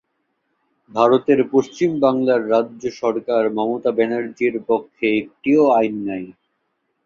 ভারতের পশ্চিম বাংলার রাজ্য সরকার মমতা ব্যানার্জির পক্ষে একটিও আইন নাই।